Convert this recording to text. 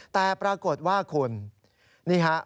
แต่ปรากฏว่าคุณนี่ฮะ